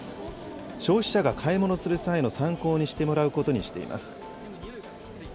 消費者が買い物する際の参考にしてもらうことにしています。